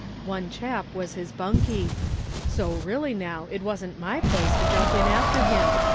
One chap was his bunkie. So, really, now, it wasn't my place to jump in after him.